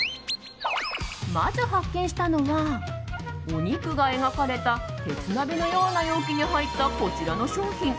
まず発見したのはお肉が描かれた鉄鍋のような容器に入った、こちらの商品。